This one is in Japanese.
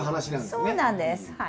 そうなんですはい。